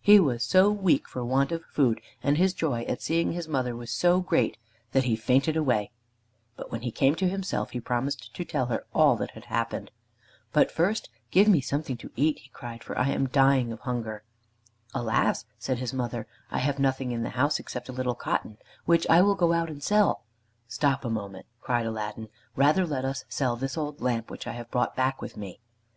He was so weak for want of food, and his joy at seeing his mother was so great, that he fainted away, but when he came to himself he promised to tell her all that had happened. "But first give me something to eat," he cried, "for I am dying of hunger." "Alas!" said his mother, "I have nothing in the house except a little cotton, which I will go out and sell." "Stop a moment," cried Aladdin, "rather let us sell this old lamp which I have brought back with me."